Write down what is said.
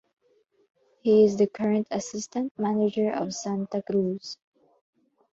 He is the current assistant manager of Santa Cruz.